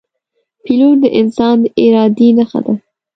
پیلوټ د انسان د ارادې نښه ده.